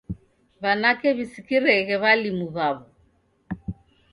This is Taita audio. W'anake w'isikireghe w'alimu w'aw'o